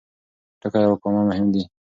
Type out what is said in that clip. ټکی او کامه مهم دي.